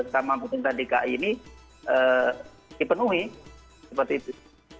sama pemerintah dki ini dipenuhi seperti itu